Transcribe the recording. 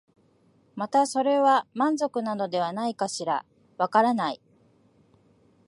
またそれで満点なのではないかしら、わからない、